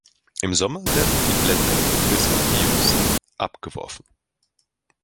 Im Sommer werden die Blätter, bis auf die jüngsten, abgeworfen.